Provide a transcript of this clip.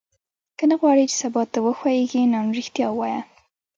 که نه غواړې چې سبا ته وښوېږې نن ریښتیا ووایه.